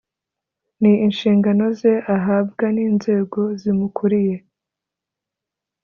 ni inshingano ze ahabwa n inzego zimukuriye